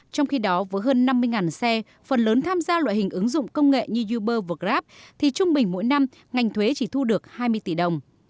trong khi đó với hơn năm mươi xe phần lớn tham gia loại hình ứng dụng công nghệ như uber và grab thì trung bình mỗi năm ngành thuế chỉ thu được hai mươi tỷ đồng